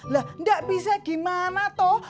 lah nggak bisa gimana toh